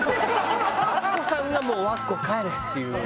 アッコさんが「もう和歌子帰れ」って言う。